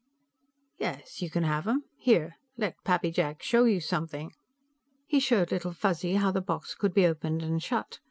"Yes, you can have them. Here; let Pappy Jack show you something." He showed Little Fuzzy how the box could be opened and shut.